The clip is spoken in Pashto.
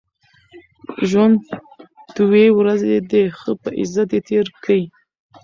ژوند دوې ورځي دئ، ښه په عزت ئې تېر کئ!